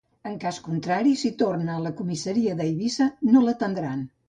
En cas contrari, si torna a la comissaria d’Eivissa, no l’atendran.